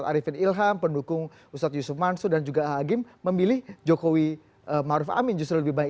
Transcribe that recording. kita lihat pendukung ustaz arifin ilham pendukung ustaz yusuf mansur dan juga aha agim memilih jokowi ma'ruf amin justru lebih banyak